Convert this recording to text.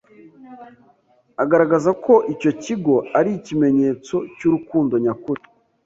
agaragaza ko icyo kigo ari ikimenyetso cy’urukundo nyakuri